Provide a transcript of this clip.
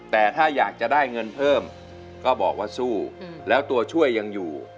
แต่ถ้าอยากจะได้เงินเพิ่มก็บอกว่าสู้แล้วตัวช่วยยังอยู่